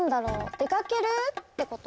出かけるってこと？